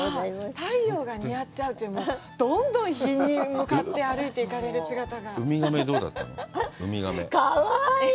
太陽が似合っちゃう、どんどん日に向かって歩いて行かれる姿が。